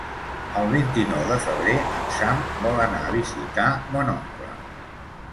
El vint-i-nou de febrer en Sam vol anar a visitar mon oncle.